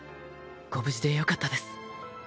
ご無事でよかったです。